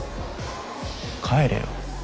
帰れよ。